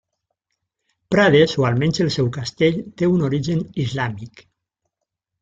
Prades o almenys el seu castell té un origen islàmic.